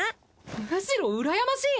むしろうらやましい。